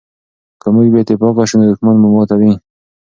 که موږ بې اتفاقه شو نو دښمن مو ماتوي.